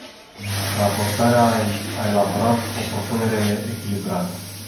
Raportoarea a elaborat o propunere echilibrată.